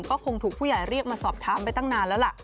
ก็คงถูกผู้ใหญ่เรียกมาสอบถามไปตั้งนานแล้วล่ะ